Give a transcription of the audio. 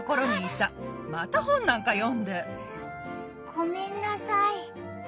ごめんなさい。